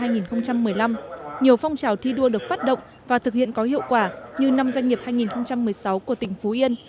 năm hai nghìn một mươi năm nhiều phong trào thi đua được phát động và thực hiện có hiệu quả như năm doanh nghiệp hai nghìn một mươi sáu của tỉnh phú yên